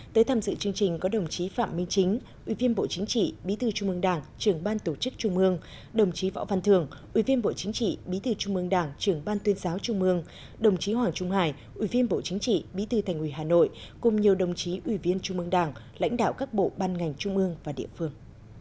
tới tham dự chương trình có đồng chí phạm minh chính ủy viên bộ chính trị bí thư trung mương đảng trưởng ban tổ chức trung mương đồng chí võ văn thường ủy viên bộ chính trị bí thư trung mương đảng trưởng ban tuyên giáo trung mương đồng chí hoàng trung hải ủy viên bộ chính trị bí thư thành ủy hà nội cùng nhiều đồng chí ủy viên trung mương đảng lãnh đạo các bộ ban ngành trung ương và địa phương